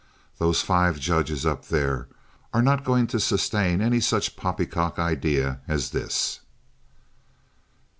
Those five judges up there are not going to sustain any such poppycock idea as this."